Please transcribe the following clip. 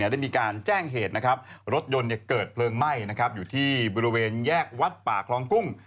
ได้มีการแจ้งเหตุรถยนต์เกิดเพลิงไหม้อยู่ที่บริเวณแยกวัดป่าคลองกุ้ง